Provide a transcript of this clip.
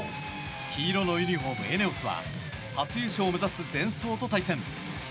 黄色のユニホーム、ＥＮＥＯＳは初優勝を目指すデンソーと対戦。